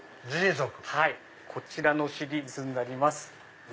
こちらのシリーズになります。